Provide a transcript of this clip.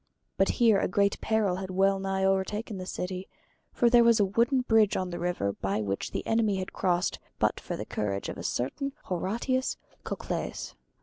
But here a great peril had well nigh over taken the city; for there was a wooden bridge on the river by which the enemy had crossed but for the courage of a certain Horatius Cocles.